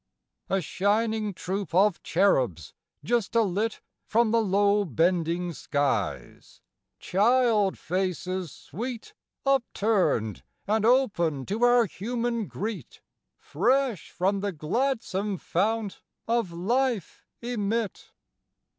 A shining troop of cherubs just alit From the low bending skies, child faces sweet, Upturned and open to our human greet, Fresh from the gladsome fount of life emit!